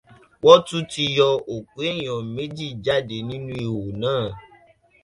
Wọ́n tún ti yọ òkú èèyàn méjì jáde nínú ìwò náà.